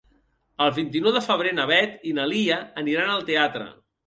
El vint-i-nou de febrer na Beth i na Lia aniran al teatre.